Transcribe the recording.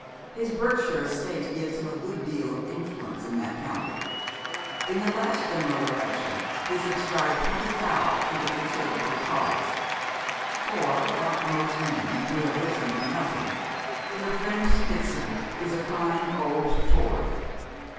His Berkshire estate gives him a good deal of influence in that county; at the last general election he subscribed twenty thou to the Conservative cause; for, like most men who have risen from nothing, your friend Smithson is a fine old Tory.